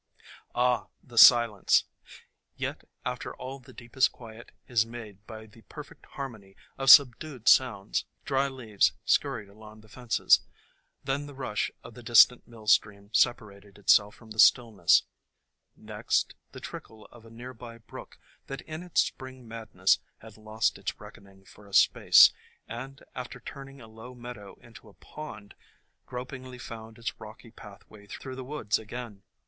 Ah! the silence! Yet after all the deepest quiet is made by the perfect harmony of subdued sounds. Dry leaves scurried along the fences; then the rush of the distant mill stream separated itself from the stillness; next the trickle of a near by brook that in its spring madness had lost its reckoning for a space and, after turning a low meadow into a pond, gropingly found its rocky pathway through the woods again.